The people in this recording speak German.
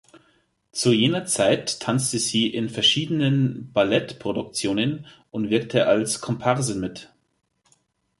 Zu jener Zeit tanzte sie in verschiedenen Ballett-Produktionen und wirkte als Komparsin mit.